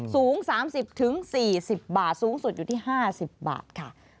สูง๓๐๔๐บาทสูงสุดอยู่ที่๕๐บาทค่ะ